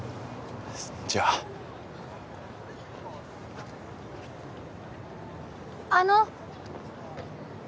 じゃああの！